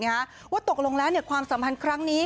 ว่าตกลงแล้วความสำหรับครั้งนี้